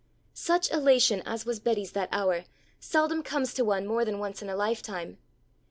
Such elation as was Betty's that hour, seldom comes to one more than once in a life time.